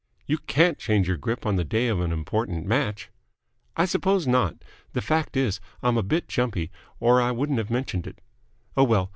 "You can't change your grip on the day of an important match." "I suppose not. The fact is, I'm a bit jumpy, or I wouldn't have mentioned it. Oh, well!